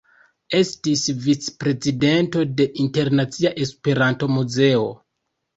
Estis vicprezidento de Internacia Esperanto-Muzeo.